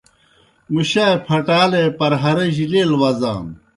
مُشائے پھٹالے پرہَرِجیْ لیل وزانوْ۔